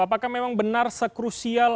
apakah memang benar sekrusial